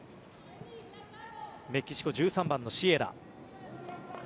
メキシコ、１３番のシエラ。